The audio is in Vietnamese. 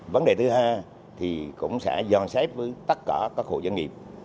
vấn đề thứ hai thì cũng sẽ giòn xếp với tất cả các hộ doanh nghiệp